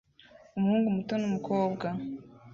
Umuhungu muto n'umukobwa